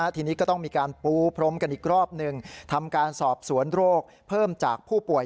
ทีนี้ก็ต้องมีการปูพรมกันอีกรอบหนึ่งทำการสอบสวนโรคเพิ่มจากผู้ป่วย